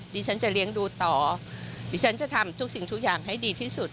ดิฉันจะเลี้ยงดูต่อดิฉันจะทำทุกสิ่งทุกอย่างให้ดีที่สุด